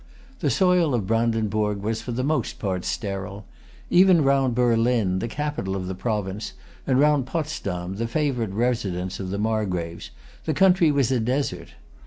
The soil of Brandenburg was for the most part sterile. Even round Berlin, the capital of the province, and round Potsdam, the favorite residence of the Margraves, the country was a desert.